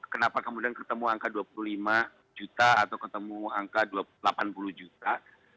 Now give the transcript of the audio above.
kenapa kemudian ketemu angka dua puluh lima juta atau ketemu angka delapan puluh juta